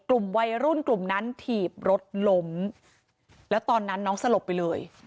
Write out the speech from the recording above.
กลุ่มวัยรุ่นกลุ่มนั้นถีบรถล้มแล้วตอนนั้นน้องสลบไปเลย